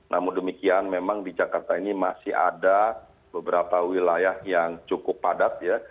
namun demikian memang di jakarta ini masih ada beberapa wilayah yang cukup padat ya